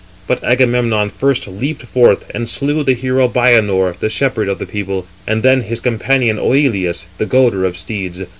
But Agamemnon first leaped forth, and slew the hero Bianor, the shepherd of the people, and then also his companion, Oïleus, the goader of steeds.